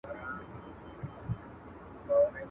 او لا ګورم چي ترټلی د بادار یم.